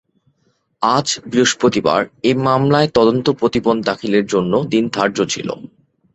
আজ বৃহস্পতিবার এ মামলায় তদন্ত প্রতিবেদন দাখিলের জন্য দিন ধার্য ছিল।